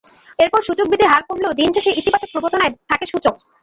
এরপর সূচক বৃদ্ধির হার কমলেও দিন শেষে ইতিবাচক প্রবণতায় থাকে সূচক।